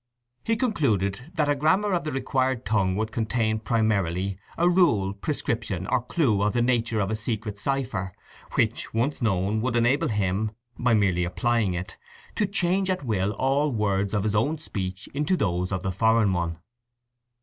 He concluded that a grammar of the required tongue would contain, primarily, a rule, prescription, or clue of the nature of a secret cipher, which, once known, would enable him, by merely applying it, to change at will all words of his own speech into those of the foreign one.